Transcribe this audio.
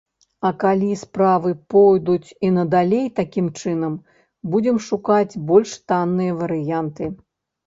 Але калі справы пойдуць і надалей такім чынам, будзем шукаць больш танныя варыянты.